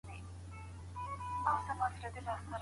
ولي کورني شرکتونه ساختماني مواد له چین څخه واردوي؟